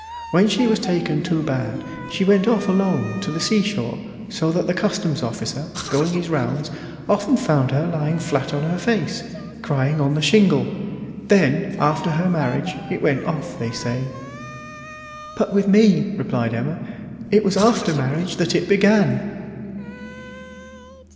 When she was taken too bad she went off quite alone to the sea shore, so that the customs officer, going his rounds, often found her lying flat on her face, crying on the shingle. Then, after her marriage, it went off, they say." "But with me," replied Emma, "it was after marriage that it began."